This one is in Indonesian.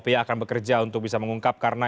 pihak akan bekerja untuk bisa mengungkap karena